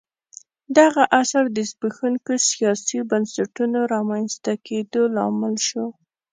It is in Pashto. دغه عصر د زبېښونکو سیاسي بنسټونو رامنځته کېدو لامل شو